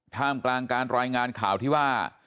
ท่ามกลางการรายงานข่าวที่ว่า